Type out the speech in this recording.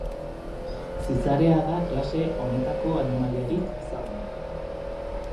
Zizarea da klase honetako animaliarik ezagunena.